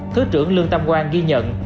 thứ trưởng lương tâm quang ghi nhận